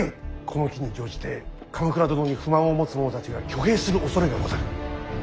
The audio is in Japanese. この機に乗じて鎌倉殿に不満を持つ者たちが挙兵するおそれがござる。